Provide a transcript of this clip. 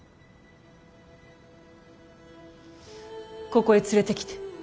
ここへ連れてきて。